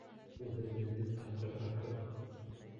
Ул һеҙҙән йөҙ тапҡыр артыҡ!